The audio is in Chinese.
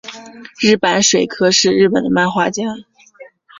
日坂水柯是日本的漫画家。